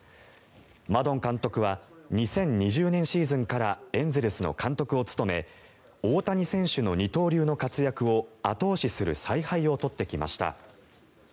マドン監督は２０２０年シーズンからエンゼルスの監督を務め大谷選手の二刀流の活躍を後押しする采配を取ってきました。